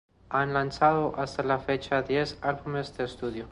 Han lanzado hasta la fecha diez álbumes de estudio.